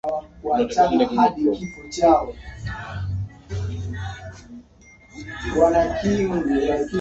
wa manispaa ya Nairobi alioa mke wake wa kwanza ambaye ni Grace WahuAzma